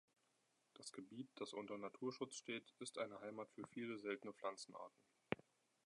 Das Gebiet, das unter Naturschutz steht, ist eine Heimat für viele seltene Pflanzenarten.